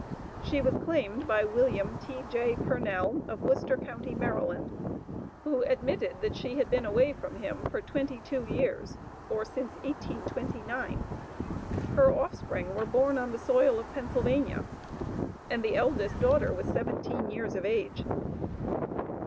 She was claimed by William T.J. Purnell, of Worcester county, Maryland, who admitted that she had been away from him for twenty two years, or since 1829. Her offspring were born on the soil of Pennsylvania, and the eldest daughter was seventeen years of age.